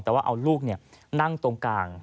แต่ว่าเอาลูกนั่งตรงกลาง